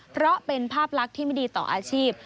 เพราะเป็นภาพลักษณ์ที่ไม่ดีต่ออาชีพ